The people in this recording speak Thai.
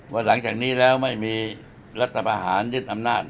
หลังจากนี้แล้วไม่มีรัฐประหารยึดอำนาจ